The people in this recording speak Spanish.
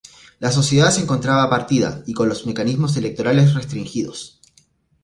La sociedad se encontraba partida, y con los mecanismos electorales restringidos.